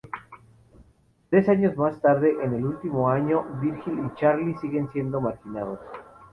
Tres años más tarde, en el último año, Virgil y Charlie siguen siendo marginados.